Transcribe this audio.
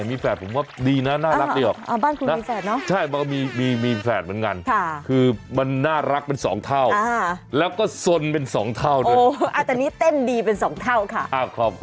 มานี่มานี่อีกคนหนึ่งก็กบบานิกาม